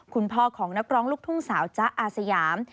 คุณพ่อของนักร้องลูกทุ่งสาวจ๊ะอาสยาม